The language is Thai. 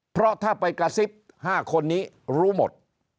เพราะถ้าไปกระซิบ๕คนนี้รู้หมด